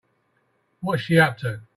What's she up to?